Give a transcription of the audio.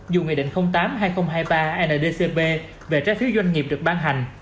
dù nghị định tám hai nghìn hai mươi ba ndcp về trái phiếu doanh nghiệp được ban hành